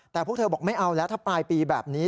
แต่พวกเธอบอกไม่เอาแล้วถ้าปลายปีแบบนี้